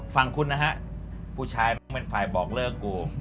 ฝั่งคุณนะฮะผู้ชายต้องเป็นฝ่ายบอกเลิกกู